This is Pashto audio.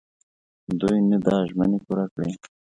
دوی نه دا ژمني پوره کړي.